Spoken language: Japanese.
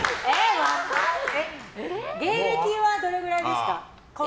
芸歴はどれくらいですか？